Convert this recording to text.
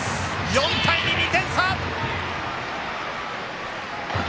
４対２、２点差！